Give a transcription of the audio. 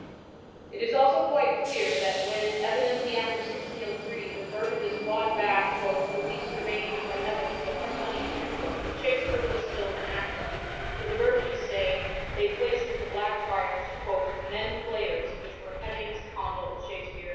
It is also quite clear that when, evidently after 1603, the Burbages bought back "the lease remaining from Evans with our money," Shakspere was still an actor,^ for the Burbages say they placed in the Blackfriars "men players, which were Hemings, Condall, Shakespeare," &c.